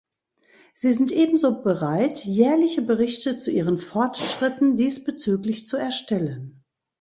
Sie sind ebenso bereit, jährliche Berichte zu ihren Fortschritten diesbezüglich zu erstellen.